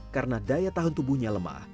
karena daya tahan tubuhnya lemah